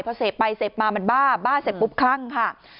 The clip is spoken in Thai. พอเสพไปเสพมามันบ้าบ้าเสพปุ๊บคลั่งค่ะ